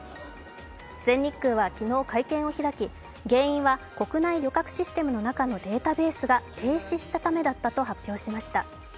全日空は昨日、会見を開き、原因は国内旅客システムの中のデータベースが停止しためだったと発表しました。